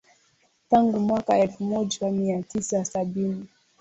Tangu mwaka elfu moja mia tisa sabini